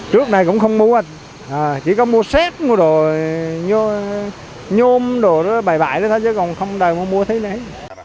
trước này cũng không mua chỉ có mua xét mua đồ nhôm đồ bài bãi đó thôi chứ không bao giờ mua thứ này